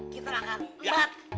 kita akan lewat